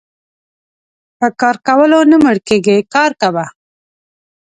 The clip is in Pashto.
په کار کولو نه مړکيږي کار کوه .